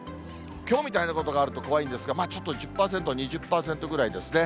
きょうみたいなことがあると怖いんですが、ちょっと１０％、２０％ぐらいですね。